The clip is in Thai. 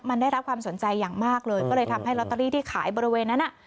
มันได้รับความสนใจอย่างมากเลยก็เลยทำให้ลอตเตอรี่ที่ขายบริเวณนั้นอ่ะ